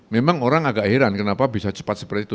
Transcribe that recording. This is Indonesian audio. memang orang agak heran kenapa bisa cepat seperti itu